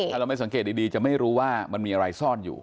ถ้าเราไม่สังเกตดีจะไม่รู้ว่ามันมีอะไรซ่อนอยู่